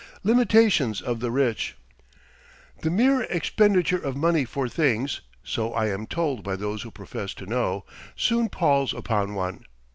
LIMITATIONS OF THE RICH The mere expenditure of money for things, so I am told by those who profess to know, soon palls upon one.